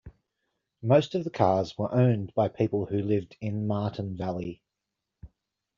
Most of the cars were owned by people who lived in Martin Valley.